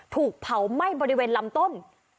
ถูกเผาไหม้บริเวณลำต้น